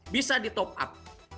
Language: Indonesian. bisa di top up